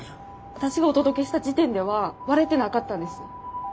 私がお届けした時点では割れてなかったんです。